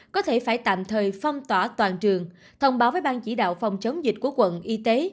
có thể phải tạm thời phong tỏa toàn trường thông báo với bang chỉ đạo phòng chống dịch của quận y tế